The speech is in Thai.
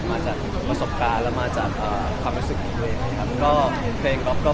มาจากประสบการณ์แล้วมาจากความรู้สึกของตัวเองไหมครับ